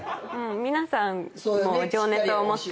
皆さん情熱を持って。